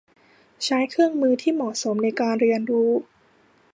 ใช้เครื่องมือที่เหมาะสมในการเรียนรู้